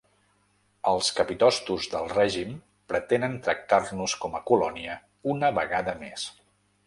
Els capitostos del règim pretenen tractar-nos com a colònia una vegada més.